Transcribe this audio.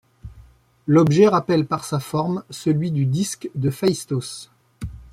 L'objet rappelle par sa forme celui du Disque de Phaistos.